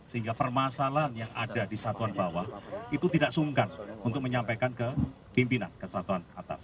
sehingga permasalahan yang ada di satuan bawah itu tidak sungkan untuk menyampaikan ke pimpinan kesatuan atas